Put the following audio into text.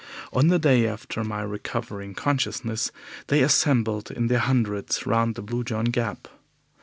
On the day after my recovering consciousness they assembled in their hundreds round the Blue John Gap.